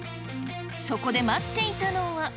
そこで待っていたのは。